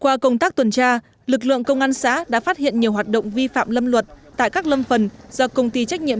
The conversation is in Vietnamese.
qua công tác tuần tra lực lượng công an xã đã phát hiện nhiều hoạt động vi phạm lâm luật tại các lâm phần do công ty trách nhiệm